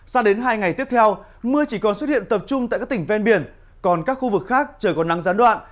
sao đến hai ngày tiếp theo mưa chỉ còn xuất hiện tập trung tại các tỉnh ven biển còn các khu vực khác trời còn nắng gián đoạn